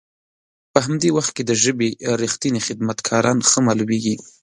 په همدي وخت کې د ژبې رښتني خدمت کاران ښه مالومیږي.